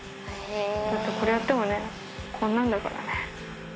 だってこれやってもねこんなんだからね。